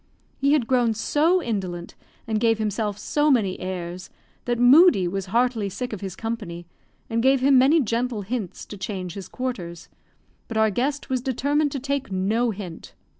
He had grown so indolent, and gave himself so many airs, that Moodie was heartily sick of his company, and gave him many gentle hints to change his quarters; but our guest was determined to take no hint.